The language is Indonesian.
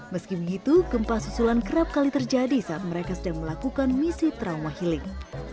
meski begitu gempa susulan kerap kali terjadi saat mereka sedang melakukan misi trauma healing